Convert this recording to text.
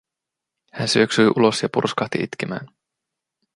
Hän syöksyi ulos ja purskahti itkemään.